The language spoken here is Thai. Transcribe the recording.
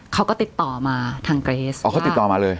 เขาก็ติดต่อมาทางเกรสอ๋อเขาติดต่อมาเลย